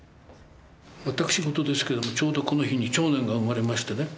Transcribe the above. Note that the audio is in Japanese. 私事ですけどもちょうどこの日に長男が生まれましてね。